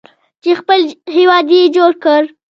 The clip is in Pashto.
چې خپل هیواد یې جوړ کړ.